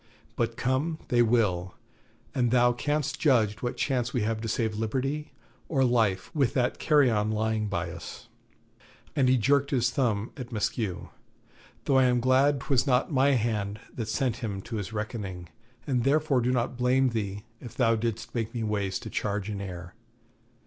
But come they will, and thou canst judge what chance we have to save liberty or life with that carrion lying by us' and he jerked his thumb at Maskew 'though I am glad 'twas not my hand that sent him to his reckoning, and therefore do not blame thee if thou didst make me waste a charge in air.